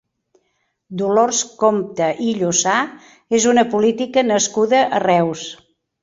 Dolors Compte i Llusà és una política nascuda a Reus.